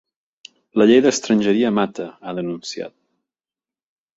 La llei d’estrangeria mata, ha denunciat.